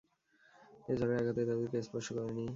এ ঝড়ের আঘাতে তাদেরকে স্পর্শ করেনি।